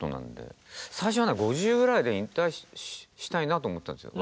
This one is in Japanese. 最初はね５０ぐらいで引退したいなと思ってたんですよ。